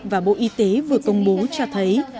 và bộ y tế vừa công bố cho thấy